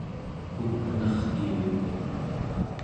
up'nerkivik